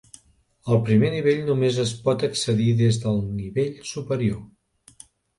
Al primer nivell només es pot accedir des del nivell superior.